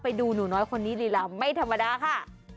ไปดูหนูน้อยคนนี้ลีลาไม่ธรรมดาค่ะ